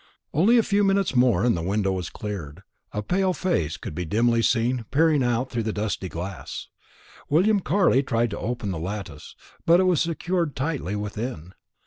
Only a few minutes more and the window was cleared. A pale face could be dimly seen peering out through the dusty glass. William Carley tried to open the lattice, but it was secured tightly within.